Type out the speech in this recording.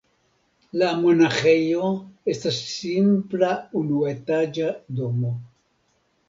La monaĥejo estas simpla unuetaĝa domo.